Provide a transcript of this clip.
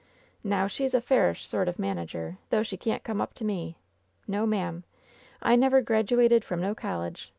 Now she's a fairish sort of a manager, though she can't come up to me. No, ma'am ! I never grad uated from no college.